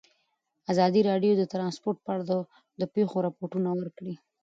ازادي راډیو د ترانسپورټ په اړه د پېښو رپوټونه ورکړي.